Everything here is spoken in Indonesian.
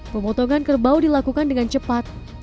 pemotongan kerbau dilakukan dengan cepat